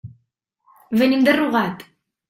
Venim de Rugat.